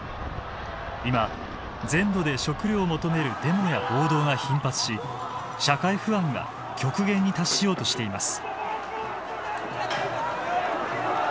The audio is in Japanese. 今全土で食料を求めるデモや暴動が頻発し社会不安が極限に達しようとしています。